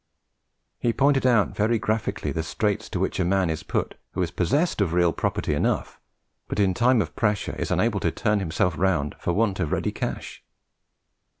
He pointed out very graphically the straits to which a man is put who is possessed of real property enough, but in a time of pressure is unable to turn himself round for want of ready cash.